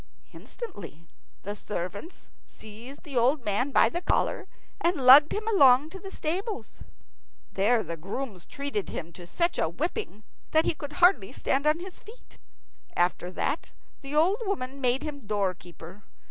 Instantly the servants seized the old man by the collar and lugged him along to the stables. There the grooms treated him to such a whipping that he could hardly stand on his feet. After that the old woman made him doorkeeper.